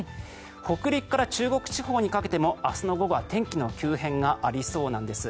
北陸から中国地方にかけても明日の午後は天気の急変がありそうなんです。